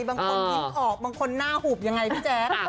บางคนยิ้มออกบางคนหน้าหุบยังไงพี่แจ๊ค